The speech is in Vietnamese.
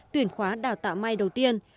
tuyển khóa đào tạo my đầu tiên